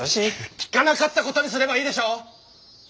聞かなかったことにすればいいでしょ！